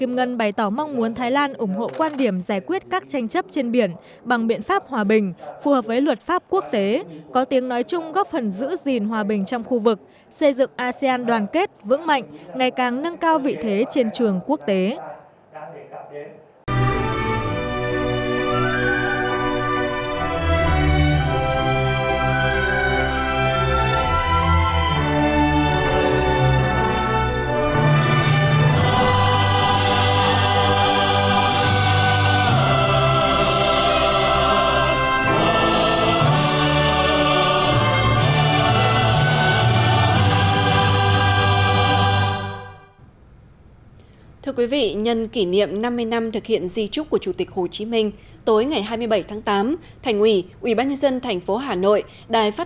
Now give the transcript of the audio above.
ngân bày tỏ mong muốn thái lan ủng hộ quan điểm giải quyết các tranh chấp trên biển bằng biện pháp hòa bình phù hợp với luật pháp quốc tế có tiếng nói chung góp phần giữ gìn hòa bình trong khu vực xây dựng asean đoàn kết vững mạnh ngày càng nâng cao vị thế trên trường quốc tế